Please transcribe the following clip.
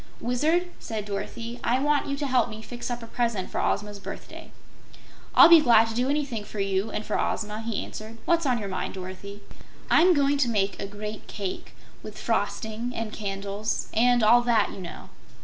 "Wizard," said Dorothy, "I want you to help me fix up a present for Ozma's birthday." "I'll be glad to do anything for you and for Ozma," he answered. "What's on your mind, Dorothy?" "I'm going to make a great cake, with frosting and candles, and all that, you know."